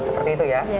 seperti itu ya